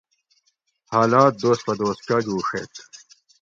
حالات دوس پہ دوس چاجوڛیت